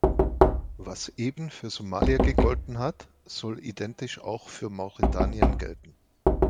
Was eben für Somalia gegolten hat, soll identisch auch für Mauretanien gelten.